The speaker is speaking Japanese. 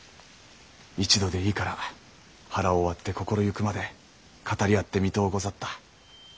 一度でいいから腹を割って心ゆくまで語り合ってみとうござった。